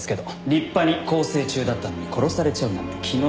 立派に更生中だったのに殺されちゃうなんて気の毒に。